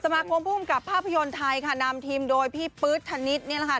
มาคมภูมิกับภาพยนตร์ไทยค่ะนำทีมโดยพี่ปื๊ดธนิษฐ์นี่แหละค่ะ